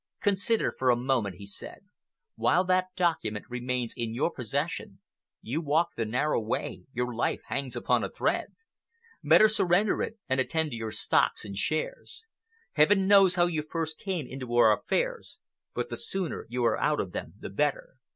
"Consider for a moment," he said. "While that document remains in your possession, you walk the narrow way, your life hangs upon a thread. Better surrender it and attend to your stocks and shares. Heaven knows how you first came into our affairs, but the sooner you are out of them the better.